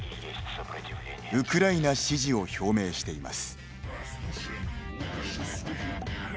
ウクライナ支持を表明しています。